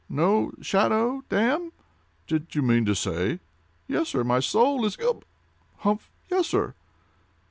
"No shadow, damme!" "Did you mean to say—" "Yes, sir, my soul is—hiccup!—humph!—yes, sir."